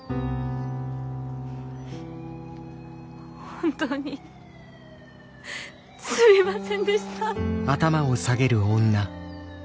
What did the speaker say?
本当にすみませんでした。